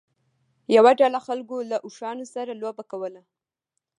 یوه ډله خلکو له اوښانو سره لوبه کوله.